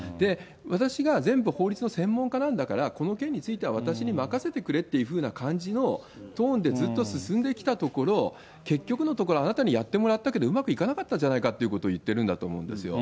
私が全部、法律の専門家なんだから、この件については私に任せてくれっていうふうな感じのトーンでずっと進んできたところ、結局のところ、あなたにやってもらったけどうまくいかなかったじゃないかということを言ってるんだと思うんですよ。